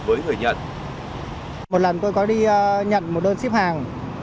với thời nhận